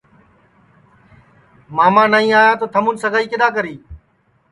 کہ ماما نائی آیا تو تھمُون سگائی کِدؔا کری